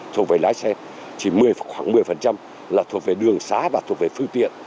thuộc về lái xe chỉ khoảng một mươi là thuộc về đường xá và thuộc về phương tiện